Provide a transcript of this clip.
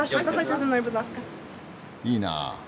いいなあ。